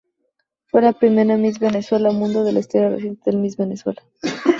Fue la primera "Miss Venezuela Mundo" de la historia reciente del Miss Venezuela.